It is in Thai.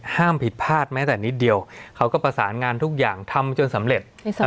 ห้ามผิดพลาดแม้แต่นิดเดียวเขาก็ประสานงานทุกอย่างทำจนสำเร็จ